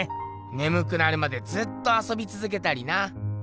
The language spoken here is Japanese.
ねむくなるまでずっとあそびつづけたりな。